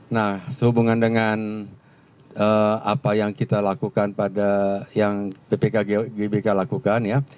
nah sehubungan dengan apa yang kita lakukan pada yang bpkgbk lakukan ya